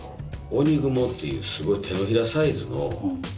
っていうすごい手のひらサイズの蜘蛛。